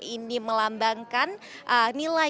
ini melambangkan nilai